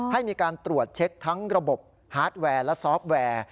ให้มีการตรวจเช็คทั้งระบบฮาร์ดแวร์และซอฟต์แวร์